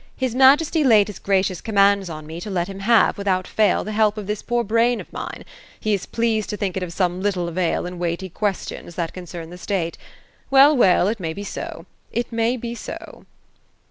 His majesty laid his gracious commands on me to let him have, without fail, the help of this poor brain of mine. He is pleased to think it of some little avail in weighty questions that concern the state. Well, well ; it may be so. It may be so."